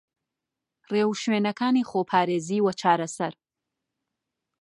رێوشوێنەکانی خۆپارێزی و چارەسەر